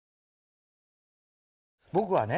僕はね